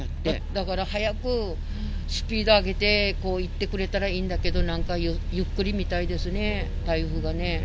だから早くスピード上げて行ってくれたらいいんだけど、なんかゆっくりみたいですね、台風がね。